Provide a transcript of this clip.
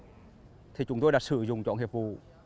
đối tượng thì chúng tôi đã sử dụng trọng hiệp vụ